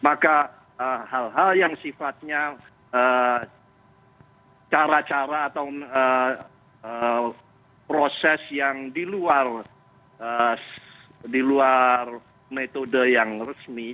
maka hal hal yang sifatnya cara cara atau proses yang di luar metode yang resmi